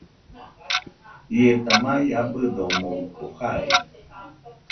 Ieta mai abɨdo omoɨko jai.